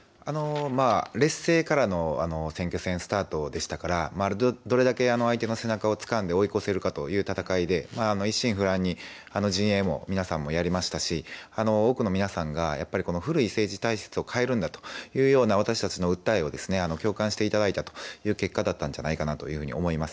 劣勢からの選挙戦スタートでしたからどれだけ相手の背中をつかんで追い越せるかという戦いで一心不乱に陣営も皆さんもやりましたし多くの皆さんがやはり古い政治体質を変えるんだというような私たちの訴えを共感していただいた結果なんだと思います。